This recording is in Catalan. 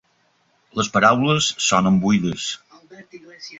Les paraules sonen buides.